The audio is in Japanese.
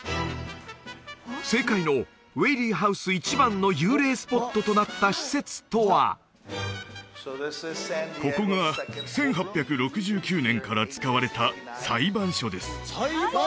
正解のウェイリーハウス一番の幽霊スポットとなった施設とはここが１８６９年から使われた裁判所です